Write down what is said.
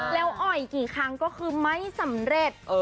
แล้วอ่อยกี่ครั้งก็คือไม่สำเร็จ